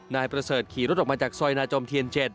นายประเสริฐขี่รถออกมาจากซอยนาจอมเทียน๗